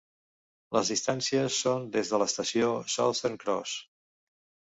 Les distàncies són des de l'estació Southern Cross.